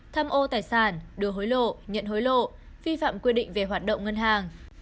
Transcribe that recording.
tham ô tài sản đưa hối lộ nhận hối lộ vi phạm quy định về hoạt động ngân hàng